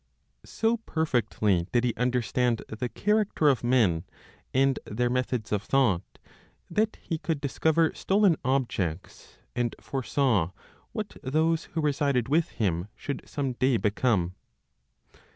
So perfectly did he understand the character of men, and their methods of thought, that he could discover stolen objects, and foresaw what those who resided with him should some day become.